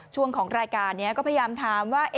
ช่วงของรายการนี้ก็พยายามถามว่า